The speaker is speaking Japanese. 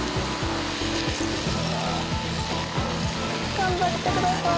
頑張ってください。